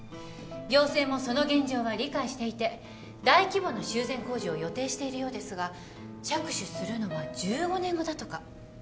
行政もその現状は理解していて大規模な修繕工事を予定しているようですが着手するのは１５年後だとか。